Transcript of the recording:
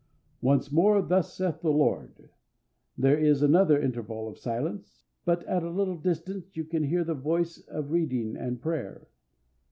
Once more Thus saith the Lord. There is another interval of silence, but at a little distance you can hear the voice of reading and prayer.